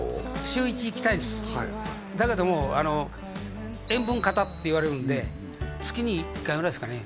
週１行きたいんですだけども塩分過多って言われるんで月に１回ぐらいですかね